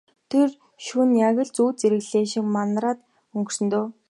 Тэр шөнө яг л зүүд зэрэглээ шиг манараад өнгөрсөн дөө.